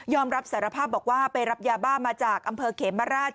รับสารภาพบอกว่าไปรับยาบ้ามาจากอำเภอเขมราช